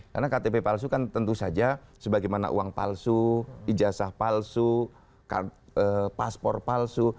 karena ktp palsu kan tentu saja sebagaimana uang palsu ijazah palsu paspor palsu